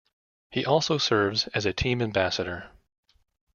He also serves as a team ambassador.